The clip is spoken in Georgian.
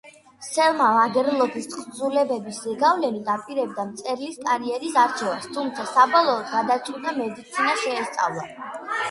სელმა ლაგერლოფის თხზულებების ზეგავლენით აპირებდა მწერლის კარიერას არჩევას თუმცა საბოლოოდ გადაწყვიტა მედიცინა შეესწავლა.